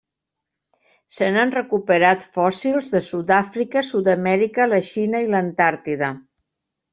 Se n'han recuperat fòssils de Sud-àfrica, Sud-amèrica, la Xina i l'Antàrtida.